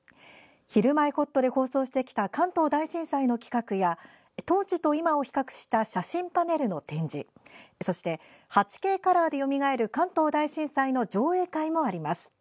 「ひるまえほっと」で放送してきた関東大震災の企画や当時と今を比較した写真パネルの展示そして８Ｋカラーでよみがえる関東大震災の上映会もあります。